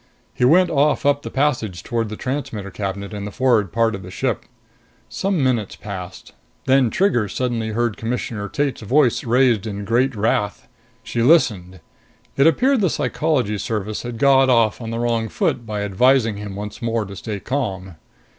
He went off up the passage toward the transmitter cabinet in the forward part of the ship. Some minutes passed. Then Trigger suddenly heard Commissioner Tate's voice raised in great wrath. She listened. It appeared the Psychology Service had got off on the wrong foot by advising him once more to stay calm.